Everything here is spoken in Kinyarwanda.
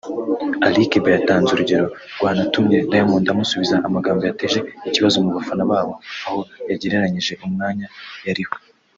Ali Kiba yatanze urugero rwanatumye Diamond amusubiza amagambo yateje ikibazo mu bafana babo aho yagereranyije umwanya yariho